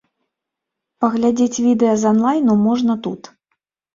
Паглядзець відэа з анлайну можна тут.